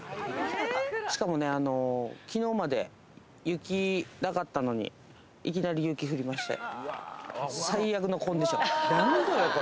しかもね、きのうまで雪、なかったのに、いきなり雪降りまして、最悪のコンディション。